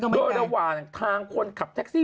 โดยระหว่างทางคนขับแท็กซี่